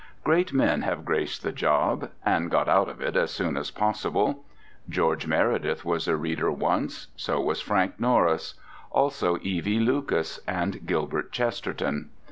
Great men have graced the job—and got out of it as soon as possible. George Meredith was a reader once; so was Frank Norris; also E.V. Lucas and Gilbert Chesterton.